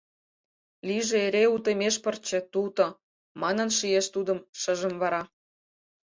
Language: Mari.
«Лийже эре утымеш пырче, туто», Манын шиеш тудым шыжым вара.